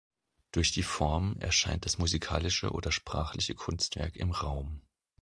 Durch die Form erscheint das musikalische oder sprachliche Kunstwerk im Raum.